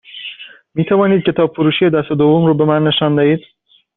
می توانید کتاب فروشی دست دوم رو به من نشان دهید؟